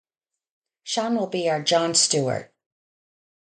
Sean will be our Jon Stewart.